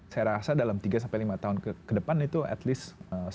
saya rasa dalam tiga sampai lima tahun ke depan itu at least